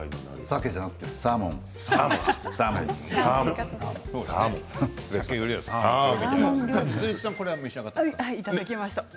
さけじゃなくてサーモンだね。